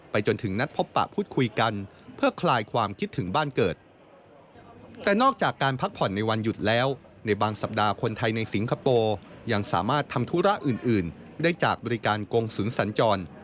เพื่อให้สามารถทำธุระอื่นได้จากบริการกงศูนย์สัญจร